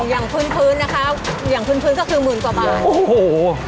อย่างพื้นก็คือหมื่นกว่าบาท